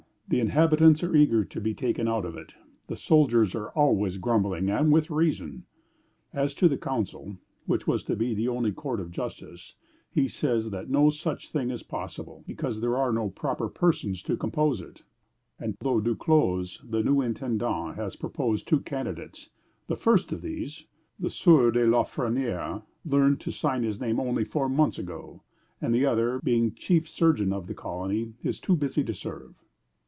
The inhabitants are eager to be taken out of it. The soldiers are always grumbling, and with reason." As to the council, which was to be the only court of justice, he says that no such thing is possible, because there are no proper persons to compose it; and though Duclos, the new intendant, has proposed two candidates, the first of these, the Sieur de Lafresnière, learned to sign his name only four months ago, and the other, being chief surgeon of the colony, is too busy to serve.